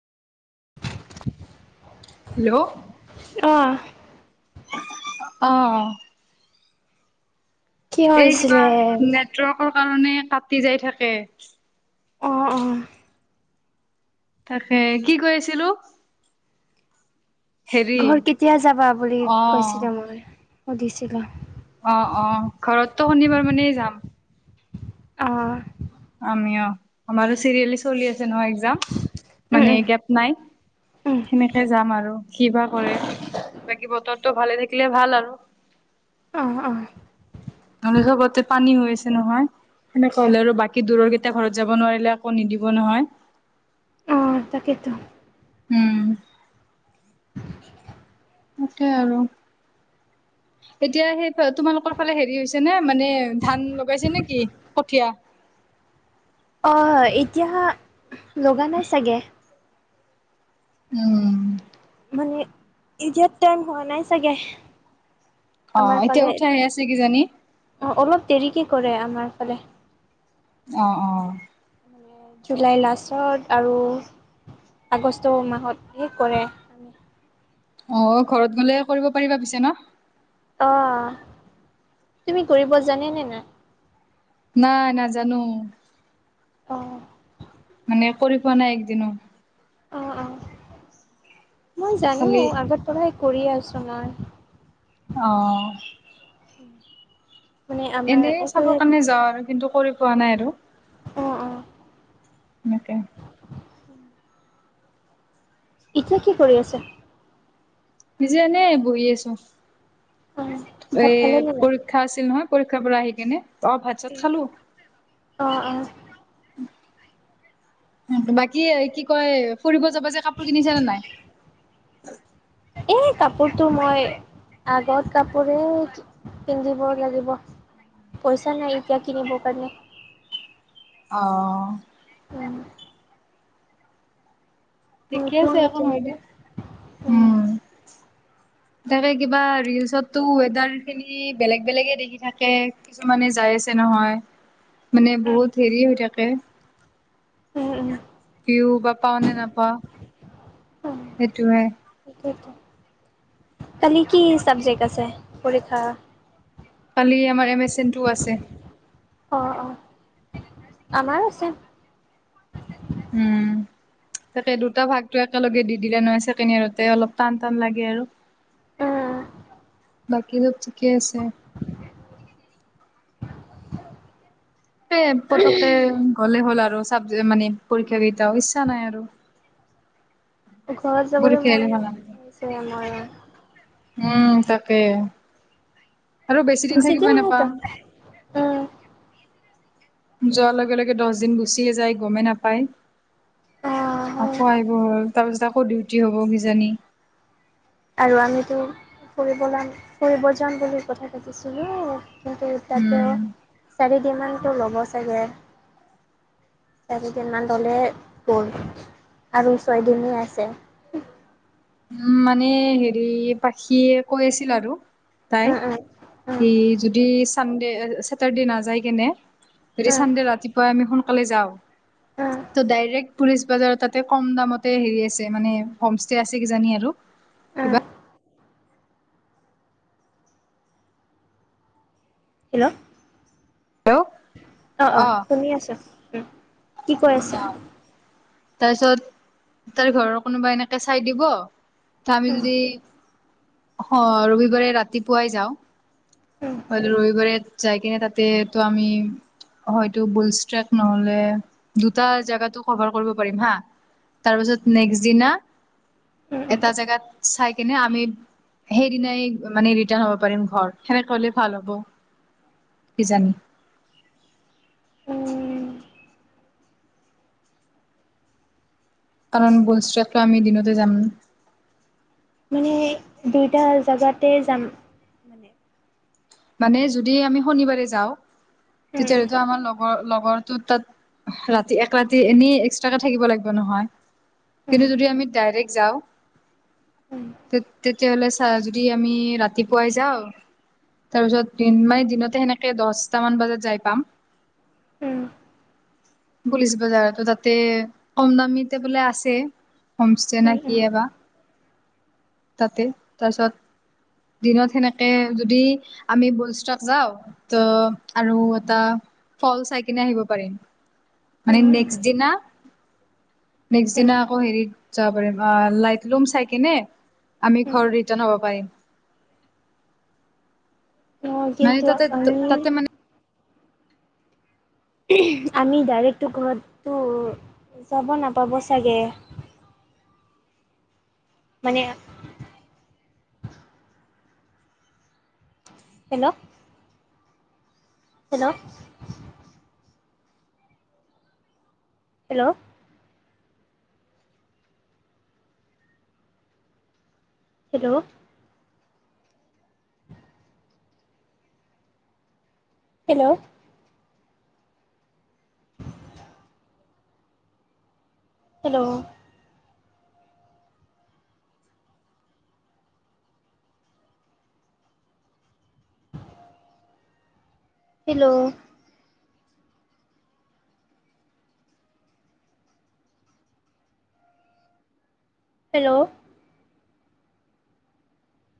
Hello অ', অহ অ'। কি এই কিবা হৈছিলে নেটৱৰ্কৰ কাৰণে কাটি যায় থাকে। অ', অ'। তাকে কি কৈ আছিলোঁ? ঘৰ কেতিয়া যাবা বুলি অ কৈছিলা মই, সুধিছিলা। অ', অ' ঘৰতটো শনিবাৰ মানেই যাম। অ'। আমি অ', আমাৰো চিৰিয়েলি চলি আছে নহয় একজাম। উম মানে গেপ নাই। উম উম সেনেকে যাম আৰু। কি বা কৰে। বাকী বতৰটো ভালে থাকিলে ভাল আৰু। অহ অহ। ধনেশ্বৰ ঘৰত যে পানী হৈ আছে নহয়। সেনেকা হ'লে আৰু বাকী দূৰৰকেইটা ঘৰত যাব নোৱাৰিলে আকৌ নিদিব নহয়। অ', তাকেইটো। উম। তাকে আৰু। এতিয়া সেই ফা তোমালোকৰ ফালে হেৰি হৈছে। নে মানে ধান লগাইছে নে কি কঠীয়া? অ', এতিয়া লগা নাই চাগে। উম। মানে এতিয়া টাইম হোৱা নাই চাগে। আমাৰ অ', এতিয়া ফালে উঠাই আছে কিজানি। অ', অলপ দেৰিকে কৰে আমাৰ ফালে। অ', অ'। জুলাই লাষ্টত আৰু আগষ্ট মাহত শেষ কৰে। অ', ঘৰত গ'লে কৰিব পাৰিবা পিছে ন? অ', তুমি কৰিব জানে নে নাই? নাই নাজানো। অ'। মানে কৰি পোৱা নাই একদিনো। অ', অ', মই জানোঁ। খালি আগত পৰাই কৰি আছোঁ মই। অ'। মানে আমাৰ এনে এইফালে চাবৰ কাৰণে যাওঁ আৰু কিন্তু কৰি পোৱা নাই আৰু। অ', অ'। এনেকে। এতিয়া কি কৰি আছে? নিজে এনেই বহি আছো। অ এ ভাত খালে নে নাই পৰীক্ষা আছিল নহয় পৰীক্ষাৰ পৰা আহি কিনে, অ' ভাত চাত খালোঁ। অ', অ'। বাকী কি কয় ফুৰিব যাবা যে কাপোৰ কিনিছে নে নাই? এই কাপোৰটো মই আগৰ কাপোৰে পিন্ধিব লাগিব। পইচা নাই এতিয়া কিনিব কাৰণে। অ'। উম। ঠিকে নতুন আছে একো নহয় কিনিবা দে। উম তাকে কিবা ৰিলচতটো ৱেডাৰ খিনি বেলেগ বেলেগে দেখি থাকে। কিছুমানে যাই আছে নহয় মানে বহুত উম হেৰি হৈ থাকে। উম। বিহু বা পাওঁ নে নাপাওঁ উম সেইটোয়ে। কালি কি চাবজেক্ট আছে পৰীক্ষা? কালি আমাৰ এম চ এন টো আছে। অ', অ' আমাৰো আছে। উম। তাকে দুটা ভাগতো একেলগে দি দিলে নহয় ছেকেণ্ড ইয়াৰতে অলপ টান টান লাগে আৰু। উম বাকী চব ঠিকে আছে। [unintelligible] পতকে গ'লে হ'ল আৰু চাব মানে পৰীক্ষা কেইটাও ইচ্ছা নাই আৰু। ঘৰত যাবলৈ পৰীক্ষা মন আহিলে ভাল নালাগে গৈছে মোৰো। উম, তাকে। আৰু বেছি দিন থাকিবই নাপাম। উম যোৱাৰ লগে লগে দছ দিন গুচিয়ে যায় গ'মেই নাপায়। অ হয় আকৌ আহিব হ'ল, তাৰ পিছত আকৌ ডিউটি হ'ব কিজানি। আৰু আমিতো ফুৰিব যাম ফুৰিব যাম বুলি কথা পাতিছিলোঁ কিন্তু তাতে উম। চাৰিদিনমানতো ল'ব চাগে? চাৰিদিনমান ল'লে গ'ল আৰু ছয়দিনেই আছে। উম মানে হেৰি পাখিয়ে কৈ আছিল আৰু তাই উম উম উম সি যদি চানডে চছেটাৰডে নাযায় কেনে যদি চানডে ৰাতিপুৱাই আমি সোনকালে যাওঁ উম উম ত ডাইৰেক্ট পুলিচ বাজাৰ তাতে ক'ম দামতে হেৰি আছে মানে হোমষ্টে আছে কিজানি আৰু উম কিবা। হেল্লো? হেল্লো? অঁ, অঁ শুনি আছোঁ। কি কৈ আছে? অ তাৰপিছত তাৰে ঘৰৰ কোনোবা এনেকে চাই দিব, ত' আমি উম যদি অ' ৰবিবাৰে ৰাতিপুৱাই যাওঁ উম ৰবিবাৰে যাই কিনে তাতে তো আমি হয়টো বুলষ্ট্ৰক নহ'লে দুটা জাগাটো ক'ভাৰ কৰিব হা, তাৰ পিছত নেক্স দিনা উম উম এটা জেগাত চাই কেনে আমি সেইদিনাই মানে ৰিটাৰ্ণ হ'ব পাৰিম ঘৰ, সেনেকৰিলে ভাল হ'ব কিজানি। উম কাৰণ বোনষ্ট্ৰকটো আমি দিনতে যাম। মানে দুইটা জোগাতে যাম? মানে মানে যদি আমি শনিবাৰে যাওঁ উম তেতিয়াহ'লেতো আমাৰ লগৰ লগৰটো তাত ৰাতি এক ৰাতি এনেই এক্সট্ৰাকে থাকিব লাগিব নহয়? উম কিন্তু যদি আমি ডাইৰেক্ট যাওঁ উম তেতিয়াহ'লে চা যদি আমি ৰাতিপুৱাই যাওঁ তাৰ পিছত দিন মানে দিনতে সেনেকে দচটা মান বজাত যাই পাম। উম পুলিচ বজাৰতো তাতে কম দামীতে বোলে আছে হোম ষ্টে উম নে উম কি বা? তাতে তাৰপিছত দিনত সেনেকে যদি আমি বলষ্টাক যাওঁ ত আৰু এটা ফ'ল চাই কিনে আহিব পাৰিম। মানে উম, নেক্সট দিনা নেক্সট দিনা আকৌ উম, হেৰিত যাব পাৰিম লাইট লুম চাই কি আমি ঘৰ ৰিন্টান হ'ব পাৰিম। অ', মানে কিন্তু তাতে, আমি তাতে মানে আমি ডাইৰেক্টটো ঘৰতো যাব নাপাব চাগে। মানে hello. Hello. Hello. Hello. Hello. Hello. Hello. Hello.